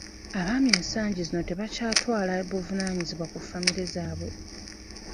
Abaami ensangi zino tebakyatwala buvunaanyizibwa ku famire zaabwe.